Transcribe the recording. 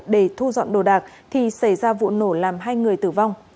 để thu dọn đồ đạc thì xảy ra vụ nổ làm hai người tử vong